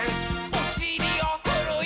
おしりをふるよ。